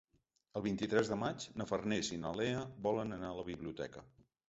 El vint-i-tres de maig na Farners i na Lea volen anar a la biblioteca.